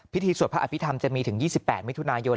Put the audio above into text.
สวดพระอภิษฐรรมจะมีถึง๒๘มิถุนายน